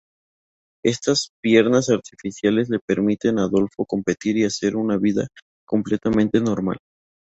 Estas piernas artificiales le permiten a Adolfo competir y hacer una vida completamente normal.